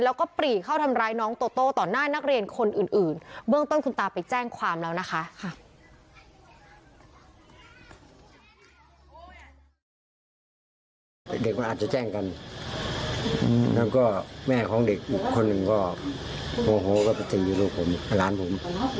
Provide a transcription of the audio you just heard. แล้วก็แม่ของเด็กอีกคนหนึ่งก็โฮก็เป็นสิ่งที่รู้ผมร้านผม